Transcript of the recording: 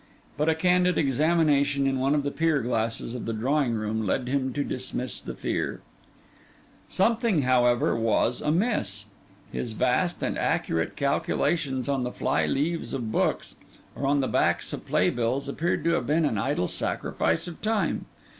But a candid examination in one of the pier glasses of the drawing room led him to dismiss the fear. Something, however, was amiss. His vast and accurate calculations on the fly leaves of books, or on the backs of playbills, appeared to have been an idle sacrifice of time.